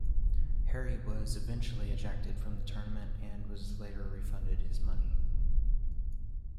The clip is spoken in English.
Harry was eventually ejected from the tournament and was later refunded his money.